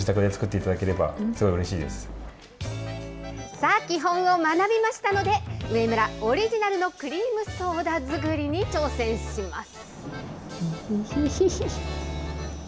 さあ、基本を学びましたので、上村オリジナルのクリームソーダ作りに挑戦します。